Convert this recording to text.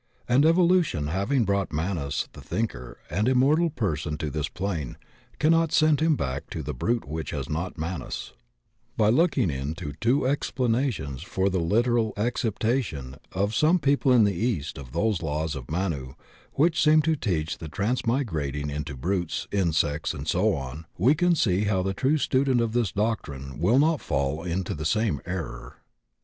And evolution hav ing brought Manas the Thinker and Immortal Person on to this plane, cannot send him back to the brute which has not Manas, By looking into two explanations for the literal ac ceptation by some people in the East of those laws of Manu which seem to teach the transmigrating into brutes, insects, and so on, we can see how the true student of this doctrine will not fall into the same error.